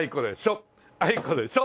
あいこでしょ！